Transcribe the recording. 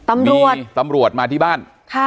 ตำรวจมาที่บ้าน